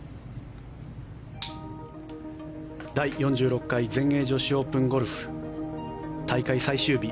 第４６回全英女子オープンゴルフ大会最終日